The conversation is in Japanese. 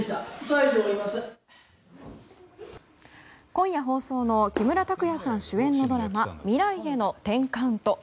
今夜放送の木村拓哉さん主演のドラマ「未来への１０カウント」。